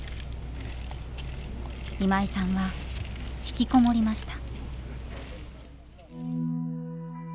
今井さんは引きこもりました。